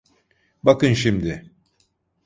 Bakın şimdi.